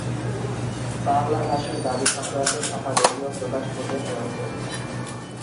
বাংলা ভাষার দাবি সংক্রান্ত সম্পাদকীয় প্রকাশ করতেন নিয়মিত।